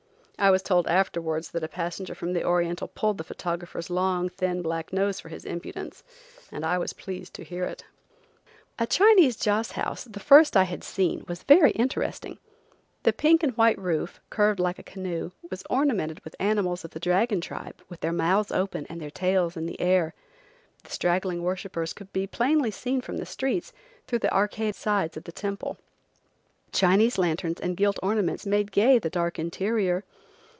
I was told afterwards that a passenger from the Oriental pulled the photographer's long, thin, black nose for his impudence, and I was pleased to hear it. A Chinese joss house, the first I had seen, was very interesting. The pink and white roof, curved like a canoe, was ornamented with animals of the dragon tribe, with their mouths open and their tails in the air. The straggling worshippers could be plainly seen from the streets through the arcade sides of the temple. Chinese lanterns and gilt ornaments made gay the dark interior.